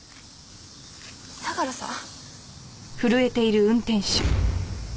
相良さん？